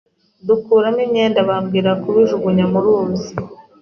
dukuramo imyenda bambwira kubijugunya mu ruzi